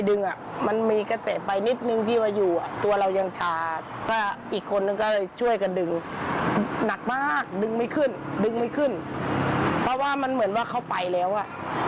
ดึงไม่ขึ้นเพราะว่ามันเหมือนว่าเข้าไปแล้วอ่ะ